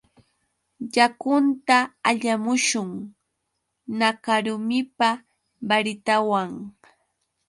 Yakunta allamushun. Nakarumipa baritawan